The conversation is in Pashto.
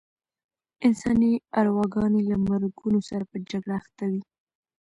انساني ارواګانې له مرګونو سره په جګړه اخته وې.